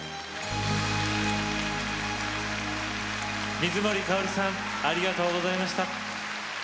水森かおりさんありがとうございました。